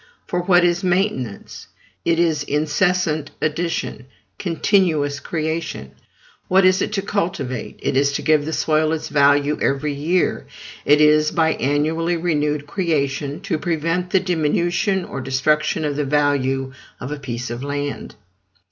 For what is maintenance? It is incessant addition, continuous creation. What is it to cultivate? It is to give the soil its value every year; it is, by annually renewed creation, to prevent the diminution or destruction of the value of a piece of land.